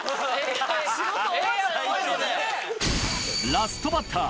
ラストバッター！